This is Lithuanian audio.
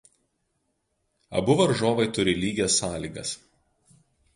Abu varžovai turi lygias sąlygas.